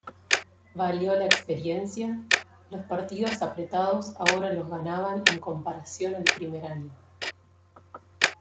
Valió la experiencia, los partidos apretados ahora los ganaban en comparación al primer año.